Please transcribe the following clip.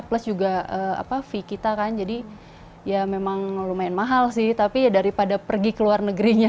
plus juga fee kita kan jadi ya memang lumayan mahal sih tapi ya daripada pergi ke luar negerinya